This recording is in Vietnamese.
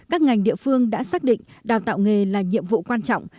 các ngành địa phương đã xác định đào tạo nghề là nhiệm vụ quan trọng